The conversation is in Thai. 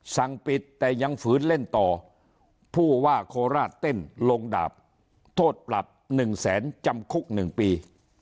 สั่งปิดแต่ยังฝืนเล่นต่อผู้ว่าโคราชเต้นลงดาบโทษปรับ๑แสนจำคุก๑ปี